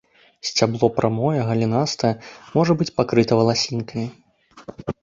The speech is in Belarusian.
Сцябло прамое, галінастае, можа быць пакрыты валасінкамі.